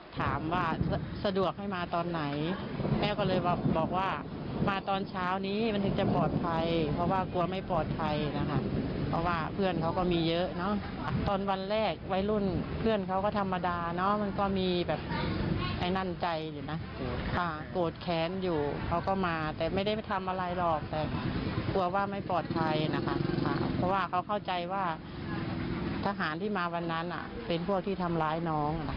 เพราะว่าเขาเข้าใจว่าทหารที่มาวันนั้นอ่ะเป็นพวกที่ทำร้ายน้อง